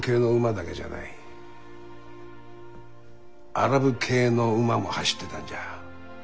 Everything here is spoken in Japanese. アラブ系の馬も走ってたんじゃ。